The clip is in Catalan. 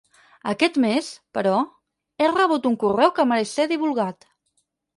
Aquest mes, però, he rebut un correu que mereix ser divulgat.